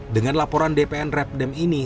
dengan laporan dpn repdem ini